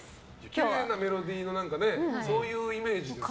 きれいなメロディーのそういうイメージですよね。